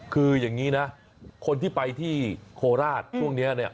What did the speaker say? คืออย่างงี้คนที่ไปที่โคราชค่ะ